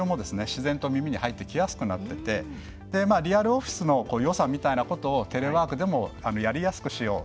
自然と耳に入ってきやすくなっていてリアルオフィスのよさみたいなことをテレワークでもやりやすくしよう。